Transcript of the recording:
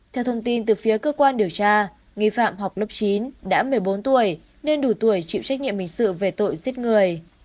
theo thông tin từ phía cơ quan điều tra nghi phạm học lớp chín đã một mươi bốn tuổi nên đủ tuổi chịu trách nhiệm hình sự về tội giết người